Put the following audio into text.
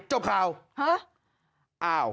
จบคราวห้าว